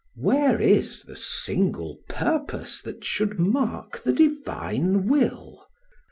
Where is the single purpose that should mark the divine will?